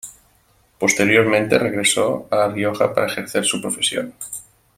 Posteriormente regresó a La Rioja para ejercer su profesión.